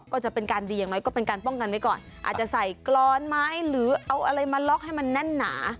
ก็จะเป็นการดีอย่างน้อยก็เป็นการป้องกันไว้ก่อนอาจจะใส่กรอนไม้หรือเอาอะไรมาล็อกให้มันแน่นหนา